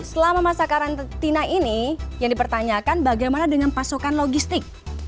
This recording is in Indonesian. selama masa karantina ini yang dipertanyakan bagaimana dengan pasokan logistik